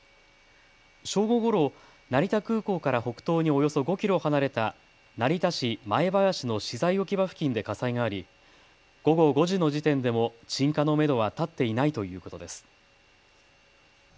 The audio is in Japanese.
正午ごろ、成田空港から北東におよそ５キロ離れた成田市前林の資材置き場付近で火災があり午後５時の時点でも鎮火のめどは立っていないということです。